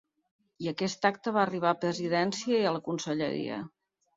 I aquesta acta va arribar a presidència i a la conselleria.